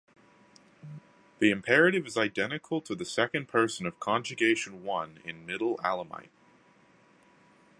The imperative is identical to the second person of Conjugation I in Middle Elamite.